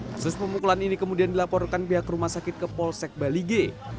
kasus pemukulan ini kemudian dilaporkan pihak rumah sakit ke polsek balige